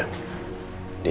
aku akan tetap